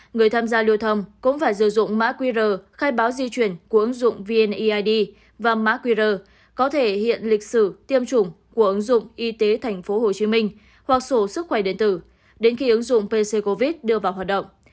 người tham gia lưu thông cũng phải sử dụng mã qr khai báo di chuyển của ứng dụng vneid và mã qr có thể hiện lịch sử tiêm chủng của ứng dụng y tế tp hcm hoặc sổ sức khỏe điện tử đến khi ứng dụng pc covid đưa vào hoạt động